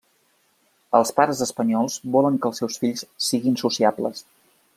Els pares espanyols volen que els seus fills siguin sociables.